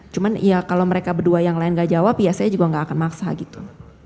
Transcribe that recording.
cuma ya kalau mereka berdua yang lain tidak jawab ya saya juga tidak akan memaksa gitu